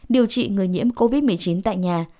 điều trị người nhiễm covid một mươi chín tại nhà